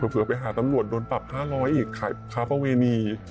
เผื่อไปหาตำรวจโดนปรับ๕๐๐อีกขายค้าประเวณี